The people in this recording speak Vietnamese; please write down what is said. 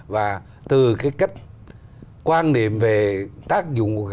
và từ cái cách quan điểm về tác dụng của cảng cá